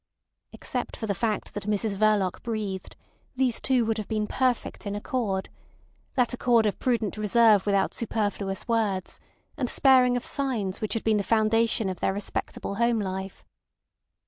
Except for the fact that Mrs Verloc breathed these two would have been perfect in accord: that accord of prudent reserve without superfluous words, and sparing of signs, which had been the foundation of their respectable home life.